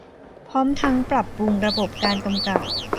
พร้อมทั้งปรับปรุงระบบการกำกับ